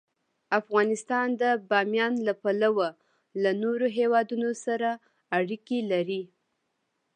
افغانستان د بامیان له پلوه له نورو هېوادونو سره اړیکې لري.